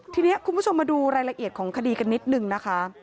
ทีนี้คุณผู้ชมมาดูรายละเอียดของคดีกันนิดนึงนะคะ